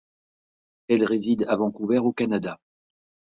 Elle réside à Vancouver au Canada.